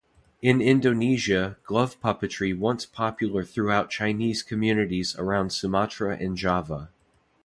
In Indonesia, glove puppetry once popular throughout Chinese communities around Sumatra and Java.